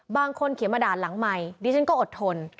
บางคนเขียนมาด่านหลังใหม่ดิฉันก็อดทน